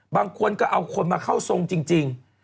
บางคนก็เอาคนมาเข้าทรงจริง